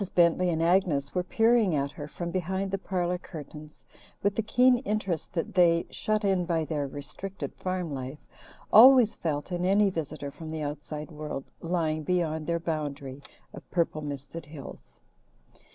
Bentley and Agnes were peeping at her from behind the parlour curtains with the keen interest that they shut in by their restricted farm life always felt in any visitor from the outside world lying beyond their boundary of purple misted hills.